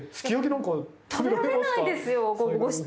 食べられないですよ。